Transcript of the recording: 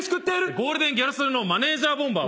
ゴールデンギャル曽根のマネジャーボンバー。